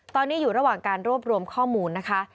ตอนนี้อยู่ระหว่างการรวบรวมข้อมูลนะคะ